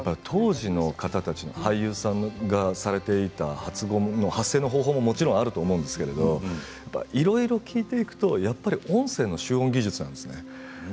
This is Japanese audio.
当時の方たちの俳優さんがされていた発語、発声の方法ももちろんあると思うんですけどいろいろ聞いていくと音声の集音技術なんですね。